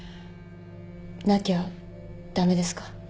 なきゃ駄目ですか？